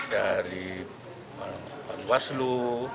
dari pak waslu